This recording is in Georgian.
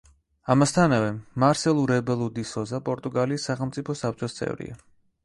ამასთანავე, მარსელუ რებელუ დი სოზა პორტუგალიის სახელმწიფო საბჭოს წევრია.